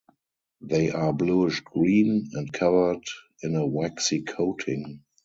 They are bluish-green, and covered in a waxy coating.